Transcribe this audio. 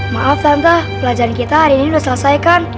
maaf santa pelajaran kita hari ini sudah selesaikan